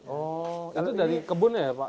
oh itu dari kebunnya ya pak